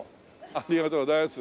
ありがとうございます。